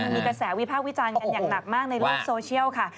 มีกระแสวิภาควิจารณ์อย่างหนักมากในเรื่องโซเชียล